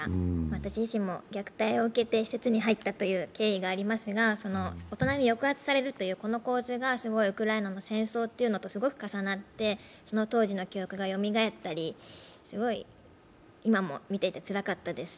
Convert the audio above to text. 私自身も虐待を受けて施設に入ったという経緯がありますが、大人に抑圧されるというこの構図がウクライナの戦争というのとすごく重なって、当時の記憶がよみがえったり、今も見ていてつらかったです。